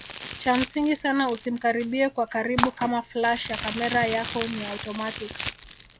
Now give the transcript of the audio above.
Cha msingi sana usimkaribie kwa karibu kama flash ya kamera yako ni automatic